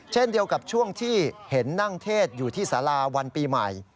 เช่นเดียวกับช่วงที่เห็นนั่งเทศอยู่ที่สาราวันปีใหม่